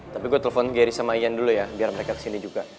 tapi gue telepon gery sama ian dulu ya biar mereka kesini juga